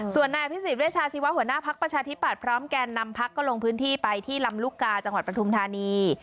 ส่วนนายอภิษฎเวชาชีวะหัวหน้าภักดิ์ประชาธิปัตย์พร้อมแก่นำพักก็ลงพื้นที่ไปที่ลำลูกกาจังหวัดปทุมธานี